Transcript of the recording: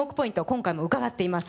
今回も伺っています